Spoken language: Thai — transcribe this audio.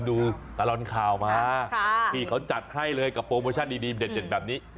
ดูตลอดข่าวมาพี่เขาจัดให้เลยกับโปรโมชั่นดีเด็ดแบบนี้